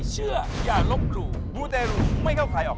สวัสดีครับ